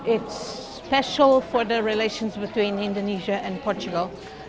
ini istimewa untuk hubungan antara indonesia dan portugal